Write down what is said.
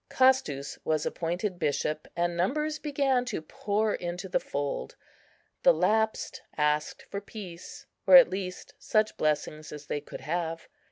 Castus was appointed bishop, and numbers began to pour into the fold. The lapsed asked for peace, or at least such blessings as they could have.